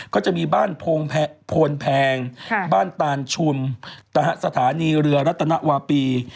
ก็จะมีบ้านโพนแพงบ้านตานชุมสถานีเรือรัตนวาปี